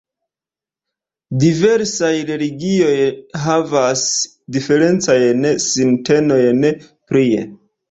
Diversaj religioj havas diferencajn sintenojn prie.